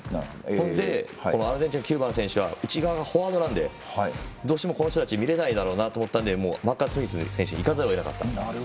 それでアルゼンチンの選手９番の選手はフォワードなのでどうしてもこの人たち見れないだろうなと思ったのでスミス選手にまたいかざるをえなかった。